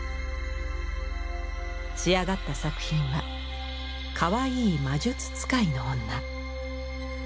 仕上がった作品は「かわいい魔術使いの女」。